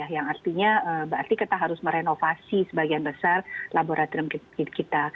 yang artinya berarti kita harus merenovasi sebagian besar laboratorium kita